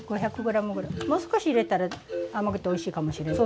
もう少し入れたら甘くておいしいかもしれない。